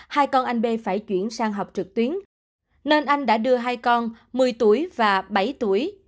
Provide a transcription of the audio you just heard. hai con anh b phải chuyển sang học trực tuyến nên anh đã đưa hai con một mươi tuổi và bảy tuổi